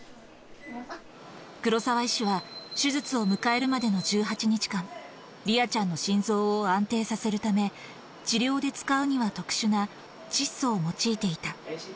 黒澤医師は、手術を迎えるまでのい１８日間、りあちゃんの心臓を安定させるため、治療で使うには特殊な窒素を用いていた。